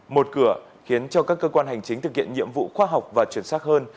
một cửa khiến cho các cơ quan hành chính thực hiện nhiệm vụ khoa học và chuyển xác hơn